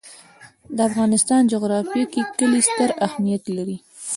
د افغانستان جغرافیه کې کلي ستر اهمیت لري.